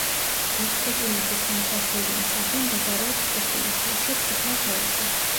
ბოსტრიკინების სამსართულიანი სახლი მდებარეობს პუშკინის ქუჩის წითელ ზოლში.